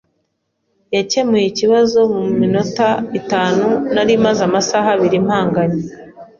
Yakemuye ikibazo muminota itanu nari maze amasaha abiri mpanganye.